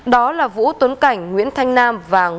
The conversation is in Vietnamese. đó là vũ tuấn cảnh nguyễn thanh nam và nguyễn